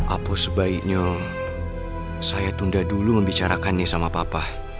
apa sebaiknya saya tunda dulu membicarakannya sama papa